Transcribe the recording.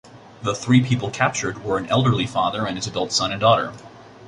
The three people captured were an elderly father and his adult son and daughter.